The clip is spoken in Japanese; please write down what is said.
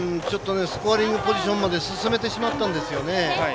スコアリングポジションまで進めてしまったんですよね。